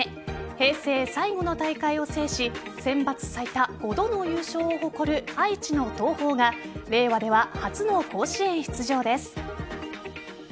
平成最後の大会を制しセンバツ最多５度の優勝を誇る愛知の東邦が令和では初の甲子園出場です。